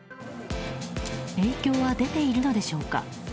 影響は出ているのでしょうか。